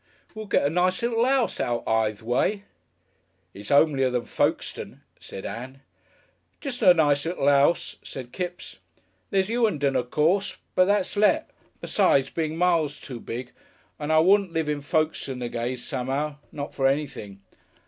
"We'll get a nice little 'ouse out Ithe way." "It's 'omelier than Folkestone," said Ann. "Jest a nice little 'ouse," said Kipps. "There's Hughenden, of course. But that's let. Besides being miles too big. And I wouldn't live in Folkestone again some'ow not for anything."